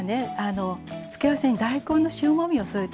つけ合わせに大根の塩もみを添えています。